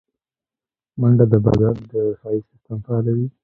منډه د بدن دفاعي سیستم فعالوي